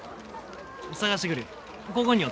捜してくるよ。